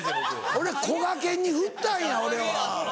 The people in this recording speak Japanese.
俺こがけんにふったんや俺は。